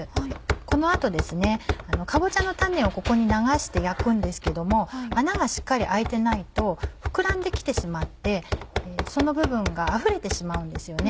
この後かぼちゃのタネをここに流して焼くんですけども穴がしっかり開いてないと膨らんで来てしまってその部分があふれてしまうんですよね。